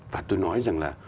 và tôi nói rằng là